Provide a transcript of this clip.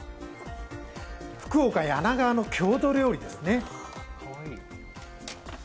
福岡・柳川の郷土料理ですね。